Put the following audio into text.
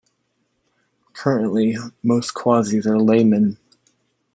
Currently most Quazis are laymen.